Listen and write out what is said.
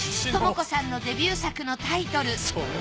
トモ子さんのデビュー作のタイトル。